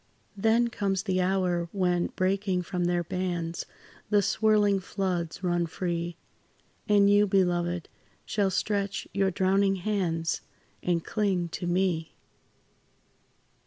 Then comes the hour, when, breaking from their bands, The swirling floods run free, And you, beloved, shall stretch your drowning hands, And cling to me.